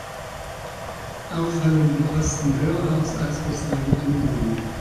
Auch fallen die Kosten höher aus, als bislang angenommen.